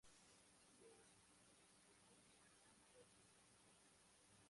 Los avisos solían publicarse en verso.